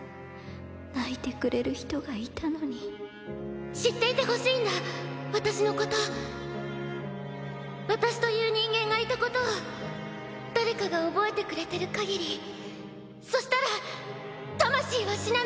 泣いてくれる人がいたのに知っていてほしいんだ私のこと私という人間がいたことを誰かが覚えてくれてるかぎりそしたら魂は死なない！